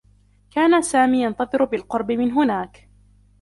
كان سامي ينتظر بالقرب من هناك.